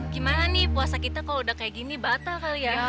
gimana nih puasa kita kalau sudah seperti ini batal kali ya